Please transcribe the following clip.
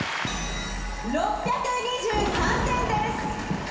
６２３点です。